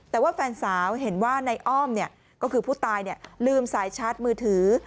แต่ว่าแฟนสาวเห็นว่าในอ้อมก็คือผู้ตายลืมสายชาร์จมือถือ